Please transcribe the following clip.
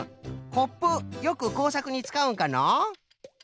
コップよくこうさくにつかうんかの？